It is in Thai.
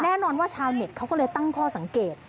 แน่นอนว่าชาวเน็ตเขาก็เลยตั้งข้อสังเกต